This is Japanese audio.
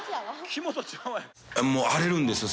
荒れるんですよ